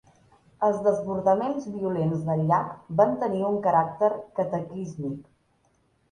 Els desbordaments violents del llac van tenir un caràcter cataclísmic.